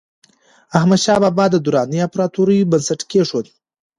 احمدشاه بابا د دراني امپراتورۍ بنسټ کېښود.